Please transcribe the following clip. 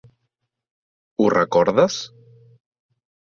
Ho recordes?.